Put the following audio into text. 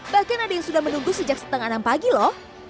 bahkan ada yang sudah menunggu sejak setengah enam pagi lho